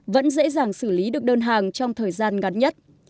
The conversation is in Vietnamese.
vẫn dễ dàng xử lý được đơn hàng trong thời gian ngắn nhất